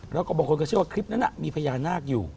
แล้วก็บางคนก็เชื่อว่าคลิปนั้นมีพญานาคอยู่